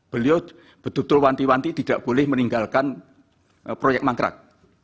beliau betul betul wanti wanti tidak boleh meninggalkan proyek mangkrak